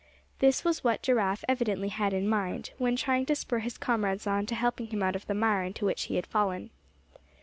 This was what Giraffe evidently had in mind, when trying to spur his comrades on to helping him out of the mire into which he had fallen.